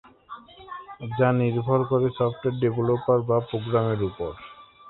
যা নির্ভর করছে সফটওয়্যার ডেভেলপার বা প্রোগ্রামের উপর।